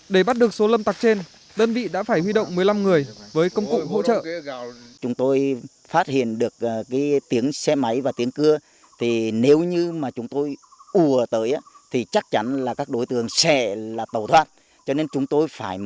để bắt được số lâm tặc trên đơn vị đã phải huy động một mươi năm người với công cụ hỗ trợ